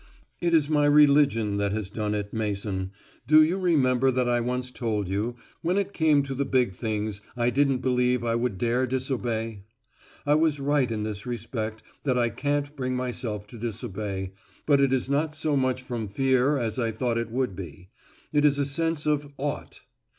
_ _It is my religion that has done it, Mason. Do you remember that I once told you, when it came to the big things I didn't believe I would dare disobey? I was right in this respect that I can't bring myself to disobey, but it is not so much from fear as I thought it would be. It is a sense of "ought."